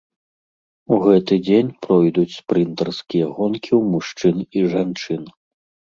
У гэты дзень пройдуць спрынтарскія гонкі ў мужчын і жанчын.